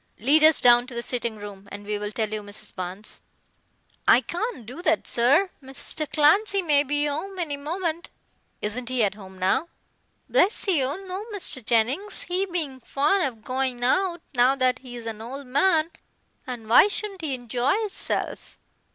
"Lead us down to the sitting room and we'll tell you, Mrs. Barnes." "I can't do that, sir, Mr. Clancy may be 'ome any moment" "Isn't he at home now?" "Bless you, no, Mr. Jennings, he being fond of goin' out, not that he's an old man, and why shouldn't he enjoy hisself.